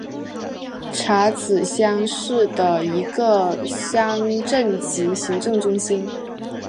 查孜乡是的一个乡镇级行政单位。